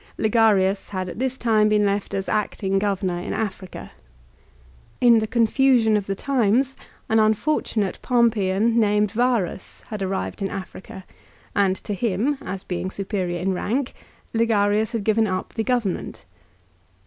Ligarius had at this time been left as acting governor in Africa. In the confusion of the times an unfortunate Pompeian named Varus had arrived in Africa, and to him, as being superior in rank, Ligarius had given up the government.